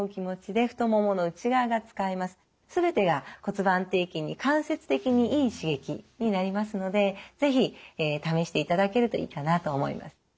全てが骨盤底筋に間接的にいい刺激になりますので是非試していただけるといいかなと思います。